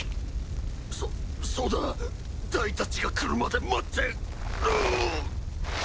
そそうだダイたちが来るまで待ってぐぁ。